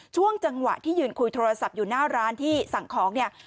ช่วงจังหวะที่ยืนคุยโทรศัพท์อยู่หน้าร้านที่สั่งของเนี่ย